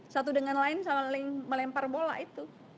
satu dengan lain saling melempar bola itu